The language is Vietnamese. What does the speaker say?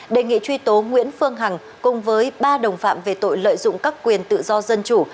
đề nghị truy tố nguyễn phương hằng cùng với ba đồng phạm về tội lợi dụng các quyền tự do dân chủ